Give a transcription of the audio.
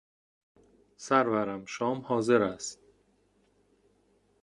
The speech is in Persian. سرورم، شام حاضر است.